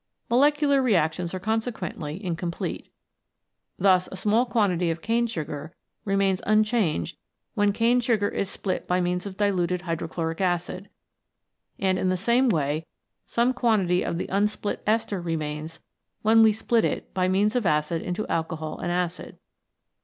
Molecular reactions are consequently incomplete. Thus a small quantity of cane sugar remains un changed when cane sugar is split by means of diluted hydrochloric acid, and in the same way some quantity of the unsplit ester remains when we split it by means of acid into alcohol and acid.